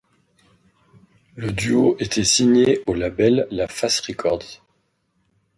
Le duo était signé au label LaFace Records.